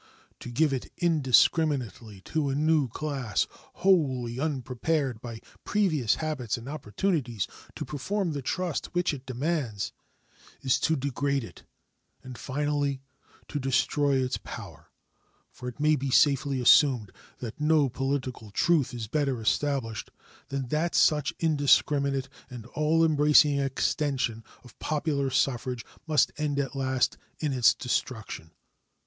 To give it indiscriminately to a new class, wholly unprepared by previous habits and opportunities to perform the trust which it demands, is to degrade it, and finally to destroy its power, for it may be safely assumed that no political truth is better established than that such indiscriminate and all embracing extension of popular suffrage must end at last in its destruction.